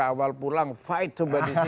tidak awal pulang fight semua disini